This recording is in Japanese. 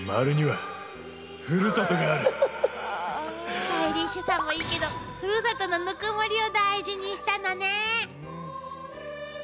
スタイリッシュさもいいけどふるさとのぬくもりを大事にしたのね。